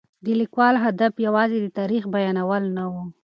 د لیکوال هدف یوازې د تاریخ بیانول نه و.